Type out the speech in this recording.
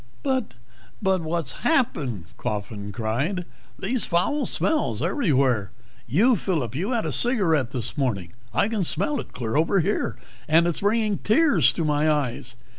"But what's happened?" Coffin cried. "These foul smells, everywhere. You, Phillip, you had a cigarette this morning. I can smell it clear over here, and it's bringing tears to my eyes.